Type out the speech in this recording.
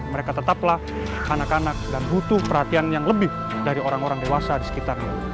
mereka tetaplah anak anak dan butuh perhatian yang lebih dari orang orang dewasa di sekitarnya